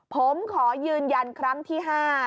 ผมขอยืนยันครั้งที่๕